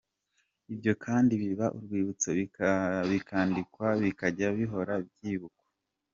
Ibyo kandi biba urwibutso bikandikwa bikajya bihora byibukwa.